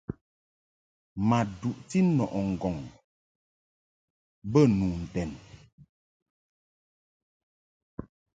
Ma duʼti nɔʼɨ ŋgɔŋ be nu ndɛn.